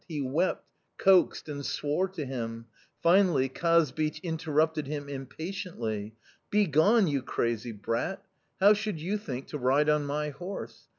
He wept, coaxed, and swore to him. Finally, Kazbich interrupted him impatiently: "'Begone, you crazy brat! How should you think to ride on my horse?